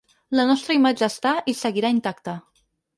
La nostra imatge està i seguirà intacta.